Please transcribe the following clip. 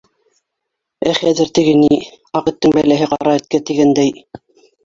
Ә хәҙер теге ни... аҡ эттең бәләһе ҡара эткә тигәндәй...